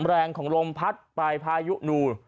แรงของลมพัดปลายพายุหนู